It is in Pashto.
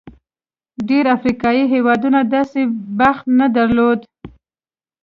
ډېری افریقايي هېوادونو داسې بخت نه درلود.